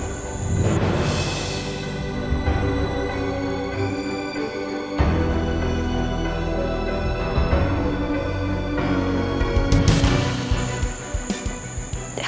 sampai jumpa lagi